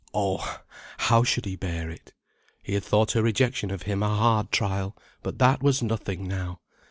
Oh! how should he bear it? He had thought her rejection of him a hard trial, but that was nothing now.